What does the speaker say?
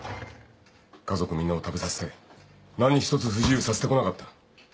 家族みんなを食べさせて何一つ不自由させてこなかった。